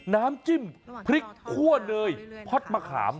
น้ำจิ้มพริกคั่วเนยฮอตมะขาม